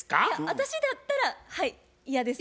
私だったらはい嫌です。